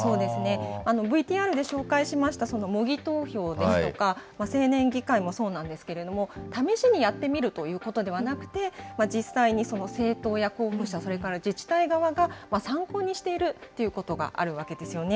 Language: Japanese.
ＶＴＲで紹介しました模擬投票ですとか、青年議会もそうなんですけれども、試しにやってみるということではなくて、実際に政党や候補者、それから自治体側が参考にしているということがあるわけですよね。